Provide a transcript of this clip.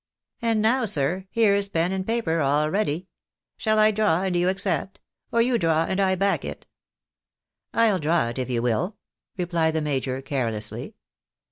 And now, sir, here is pen and paper all ready — shall I draw and you accept ? or you draw and I back it ?"" I'U draw it, if you will," replied the major, carelessly.